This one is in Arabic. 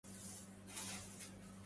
لزهرة البستان في غصنها